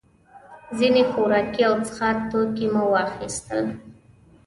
ځینې خوراکي او څښاک توکي مو واخیستل.